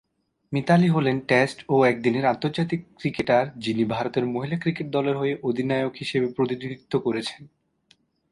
মিতালী হলেন টেস্ট ও একদিনের আন্তর্জাতিক ক্রিকেটার যিনি ভারতের মহিলা ক্রিকেট দলের হয়ে অধিনায়ক হিসেবে প্রতিনিধিত্ব করছেন।